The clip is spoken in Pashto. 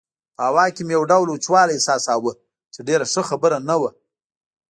په هوا کې مې یو ډول وچوالی احساساوه چې ښه خبره نه وه.